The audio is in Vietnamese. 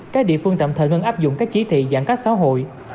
các địa phương tạm thời ngân áp dụng các chỉ thị giãn cách xã hội